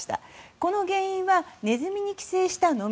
この原因はネズミに寄生したノミ。